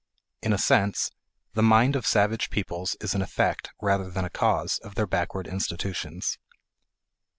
In a sense the mind of savage peoples is an effect, rather than a cause, of their backward institutions.